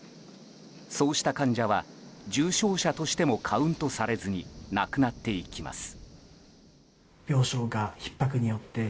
そうした患者は、重症者としてもカウントされずに亡くなっていきます。